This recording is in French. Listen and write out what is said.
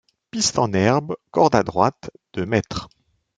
Piste en herbe, corde à droite, de mètres.